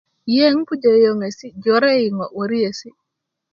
ye n pujö yöyöŋesi' jore yi ŋo' wöriesi'